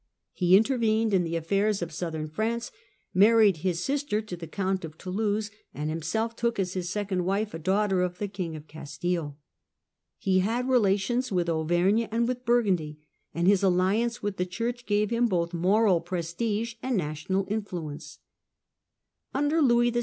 He intervened in the affairs of southern France, married his sister to the Count of Toulouse, and himself took as his second wife a daughter of the King of Castile. He had relations with Auvergne and with Burgundy, and his alliance with the Church gave him both moral prestige and national influence. ^.^^^^^^^ Under Louis VI.